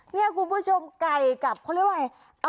นี่คุณผู้ชมไก่กับเขาเรียกว่าอะไร